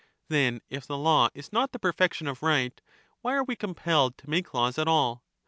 Then if the law is not the perfection of right, why why then are we compelled to make laws at all